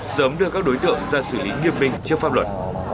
sớm đưa các đối tượng ra xử lý nghiêm minh trước pháp luật